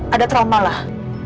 ada trauma lah